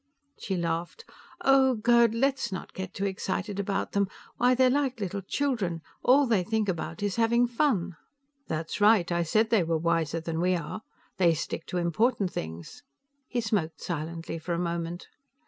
She laughed. "Oh, Gerd! Let's don't get too excited about them. Why, they're like little children. All they think about is having fun." "That's right. I said they were wiser than we are. They stick to important things." He smoked silently for a moment.